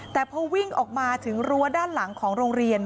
แต่พอวิ่งออกมาถึงรั้วด้านหลังของโรงเรียน